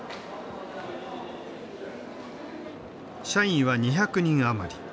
社員は２００人余り。